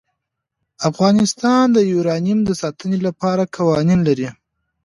افغانستان د یورانیم د ساتنې لپاره قوانین لري.